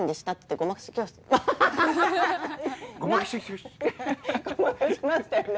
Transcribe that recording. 「ごまかしましたよね」。